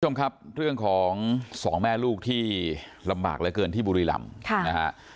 คุณผู้ชมครับเรื่องของสองแม่ลูกที่ลำบากเหลือเกินที่บุรีรำนะฮะ